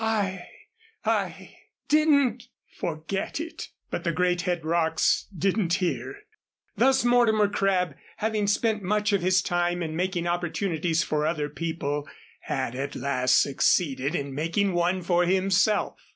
"I I didn't forget it." But the Great Head rocks didn't hear. Thus Mortimer Crabb, having spent much of his time in making opportunities for other people, had at last succeeded in making one for himself.